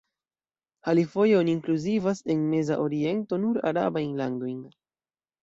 Alifoje, oni inkluzivas en "Meza Oriento" nur arabajn landojn.